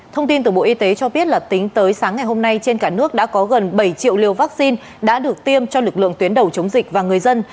thông tin từ bộ y tế cho biết là tính tới sáng ngày hôm nay trên cả nước đã có gần bảy triệu liều vaccine đã được tiêm cho lực lượng tuyến đầu chống dịch và người dân